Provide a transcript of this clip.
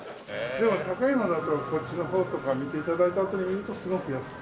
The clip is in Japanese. でも高いものだとこっちの方とか見て頂いたあとに見るとすごく安く。